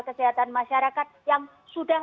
kesehatan masyarakat yang sudah